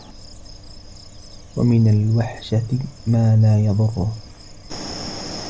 وَمِنْ الْوَحْشَةِ مَا لَا يَضُرُّهُ